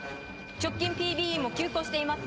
直近ＰＢ員も急行しています